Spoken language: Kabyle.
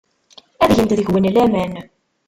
Ad gent deg-wen laman.